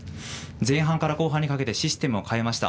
前半から後半にかけてシステムを変えました。